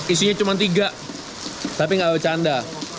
isinya cuma tiga tapi gak ada bercanda